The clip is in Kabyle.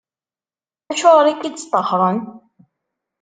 Acuɣer i k-id-sṭaxren?